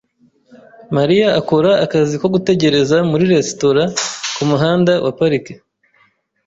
Mariya akora akazi ko gutegereza muri resitora kumuhanda wa Park.